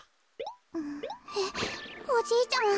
うんえっおじいちゃま？